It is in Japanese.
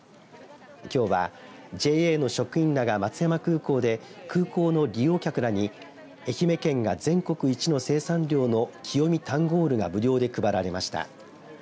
きょうはＪＡの職員らが松山空港で空港の利用客らに愛媛県が全国一の生産量の清見タンゴールが無料で配られました。